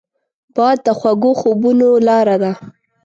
باد د خوږو خوبونو لاره ده